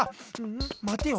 んまてよ。